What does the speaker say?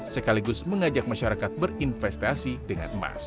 sekaligus mengajak masyarakat berinvestasi dengan emas